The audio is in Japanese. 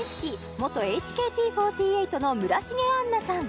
元ＨＫＴ４８の村重杏奈さん